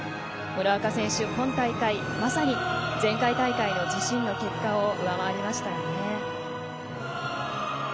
村岡選手は今大会まさに前回大会の自身の結果を上回りましたよね。